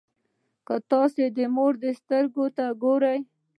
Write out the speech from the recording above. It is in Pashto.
که تاسو د مور سترګو ته وګورئ.